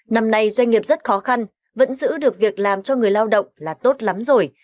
năm nay doanh nghiệp rất khó khăn vẫn giữ được việc làm cho người lao động là tốt lắm rồi